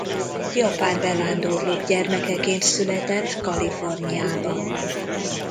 Japán bevándorlók gyermekeként született Kaliforniában.